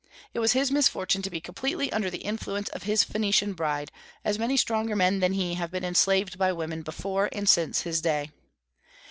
It was his misfortune to be completely under the influence of his Phoenician bride, as many stronger men than he have been enslaved by women before and since his day.